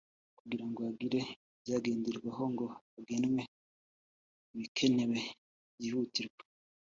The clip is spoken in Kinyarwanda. kugirango hagire ibyagenderwaho ngo hagenwe ibikenewe byihutirwa